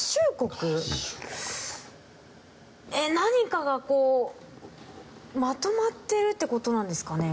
何かがまとまっているって事なんですかね？